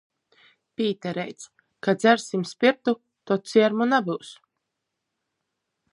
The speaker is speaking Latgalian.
Pītereits: - Ka dzersim spirtu, tod ciermu nabyus.